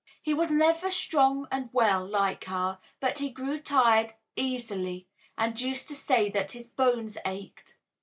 He was never strong and well, like her, but he grew tired easily, and used to say that his bones ached.